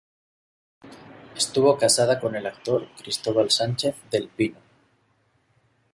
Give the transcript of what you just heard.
Estuvo casada con el actor Cristóbal Sánchez del Pino.